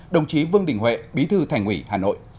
đồng chí vương đình huệ bí thư thành ủy hà nội